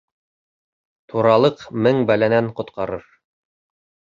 Туралыҡ мең бәләнән ҡотҡарыр.